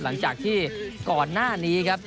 หลังจากที่ก่อนหน้านี้ครับ